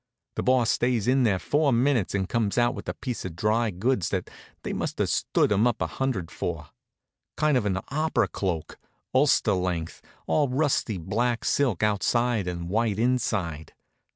The Boss stays in there four minutes and comes out with a piece of dry goods that they must have stood him up a hundred for kind of an opera cloak, ulster length, all rustly black silk outside and white inside.